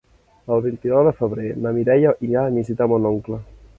El vint-i-nou de febrer na Mireia irà a visitar mon oncle.